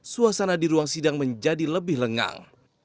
suasana di ruang sidang menjadi lebih lengang